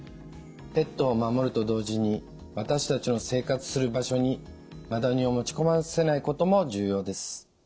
ペットを守ると同時に私たちの生活する場所にマダニを持ち込ませないことも重要です。